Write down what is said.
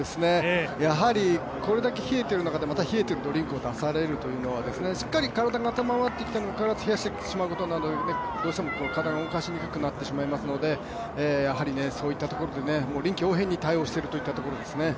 やはり、これだけ冷えている中で冷えているドリンクを出されるというのはしっかり体が温まってきたのに冷やすことになってしまうので、どうしても体が動かしにくくなってしまうのでやはりそういったところで臨機応変に対応しているといったところですね。